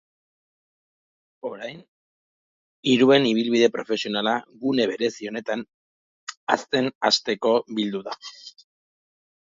Orain, hiruen ibilbide profesionala gune berezi honetan hazten hasteko bildu da.